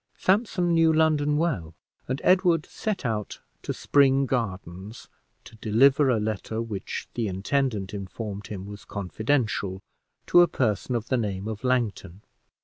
Sampson knew London well; and Edward set out to Spring Gardens, to deliver a letter, which the intendant informed him was confidential, to a person of the name of Langton.